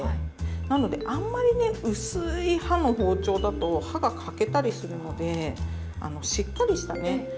なのであんまりね薄い刃の包丁だと刃が欠けたりするのでしっかりしたね